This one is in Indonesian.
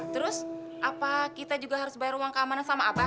terus apa kita juga harus bayar uang keamanan sama apa